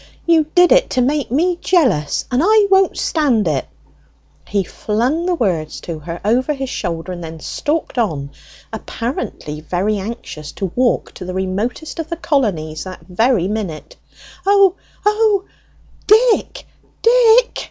"You did it to make me jealous, and I won't stand it!" He flung the words to her over his shoulder and then stalked on, apparently very anxious to walk to the remotest of the Colonies that very minute. "O, O, O, Dick Dick!"